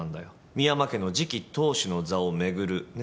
深山家の次期当主の座を巡るね。